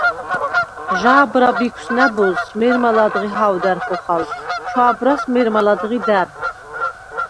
ჟა̄ბრა ბიქვს ნა̈ბოზს მე̄რმა ლა̈დღი ჰა̄ვდა̈რ ხოხალ, ჩვა̄ბრას − მე̄რმა ლა̈დღი და̄̈რ.